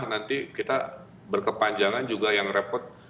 nanti kita berkepanjangan juga yang repot